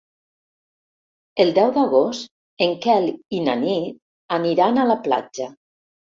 El deu d'agost en Quel i na Nit aniran a la platja.